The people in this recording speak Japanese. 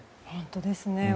本当ですね。